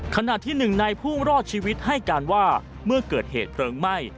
ขณะที่หนึ่งในผู้รอดชีวิตให้การว่าเมื่อเกิดเหตุเพลิงไหม้